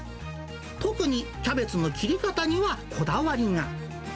特にキャベツの切り方にはこだわりが。